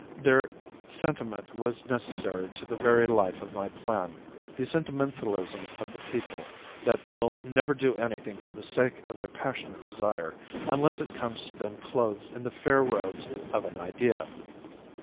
Their sentiment was necessary to the very life of my plan; the sentimentalism of the people that will never do anything for the sake of their passionate desire, unless it comes to them clothed in the fair robes of an idea.